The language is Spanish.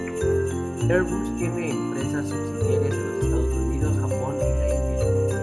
Airbus tiene empresas subsidiarias en los Estados Unidos, Japón y la India.